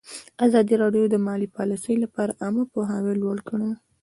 ازادي راډیو د مالي پالیسي لپاره عامه پوهاوي لوړ کړی.